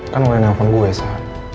kan boleh nelfon gue sa